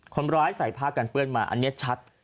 คนไม่รู้ว่ารายใส่ผ้ากันเปื้อนอันนี้ชัด